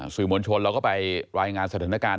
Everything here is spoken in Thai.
สื่อมวลชนเราก็ไปรายงานสถานการณ์